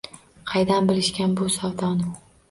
Qaydan bilishgan bu savdoni?